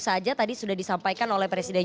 saja tadi sudah disampaikan oleh presiden